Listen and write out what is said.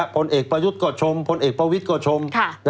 พลเอกประยุทธ์ก็ชมพลเอกประวิทย์ก็ชม